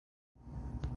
خبا نحس وأعقب منه سعد